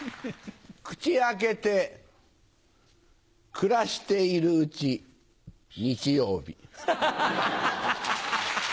口開けて暮らしているうち日曜日。